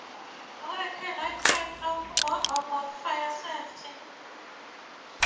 Where can I find out more about fire safety?